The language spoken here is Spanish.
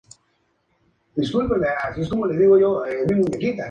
Su nombre aparece en la historia durante las guerras samnitas.